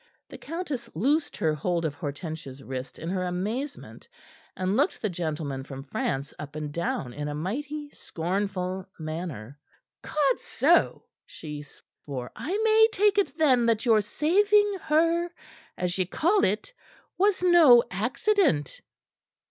The countess loosed her hold of Hortensia's wrist in her amazement, and looked the gentleman from France up and down in a mighty scornful manner. "Codso!" she swore, "I may take it, then, that your saving her as ye call it was no accident."